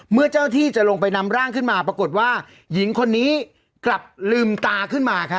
เมื่อเจ้าที่จะลงไปนำร่างขึ้นมาปรากฏว่าหญิงคนนี้กลับลืมตาขึ้นมา